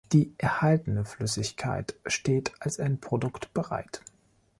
Die erhaltene Flüssigkeit steht als Endprodukt bereit.